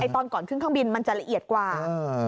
ตอนก่อนขึ้นเครื่องบินมันจะละเอียดกว่า